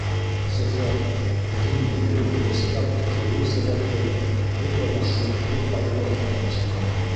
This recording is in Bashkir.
Зөфәр, үҙенең быйыл беренсе тапҡыр килеүе сәбәпле, бөтә маршрутты Айбулатҡа тапшырғайны.